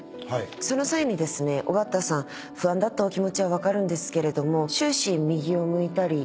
その際にですね尾形さん不安だったお気持ちは分かるんですけれども終始。